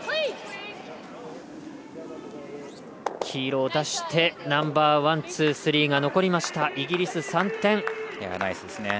黄色を出してナンバーワン、ツー、スリーが残りました、イギリス３点。